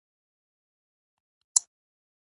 ویده خوب د داخلي نړۍ هنداره ده